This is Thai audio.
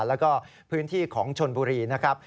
แล้วก็พื้นที่ของชนบุรีนะครับ